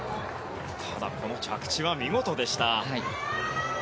ただ着地は見事でした。